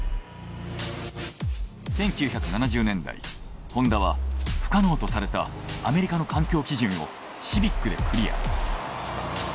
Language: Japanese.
１９７０年代ホンダは不可能とされたアメリカの環境基準をシビックでクリア。